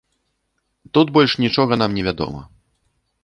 Тут больш нічога нам не вядома.